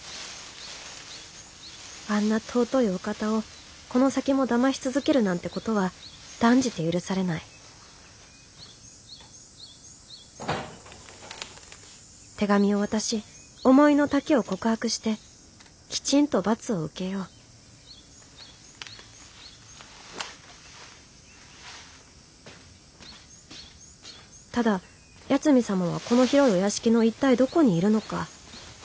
あんな尊いお方をこの先もだまし続けるなんてことは断じて許されない手紙を渡し思いの丈を告白してきちんと罰を受けようただ八海サマはこの広いお屋敷の一体どこにいるのか。